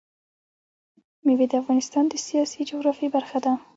مېوې د افغانستان د سیاسي جغرافیه برخه ده.